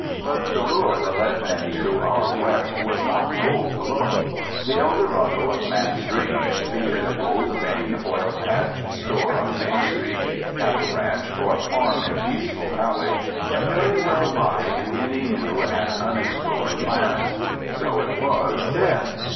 But the lure that led men to our West was not gold alone. The El Dorado of man's dreams, be it a gold vein, oil patch, store on Main Street, cattle ranch, or farm in Peaceful Valley, can very well lie in any new and unexplored lands. So it was then.